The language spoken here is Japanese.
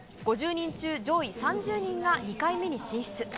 ５０人中、上位３０人が２回目に進出。